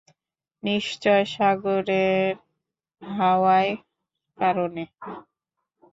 নিশ্চয় সাগরের হাওয়ার কারণে।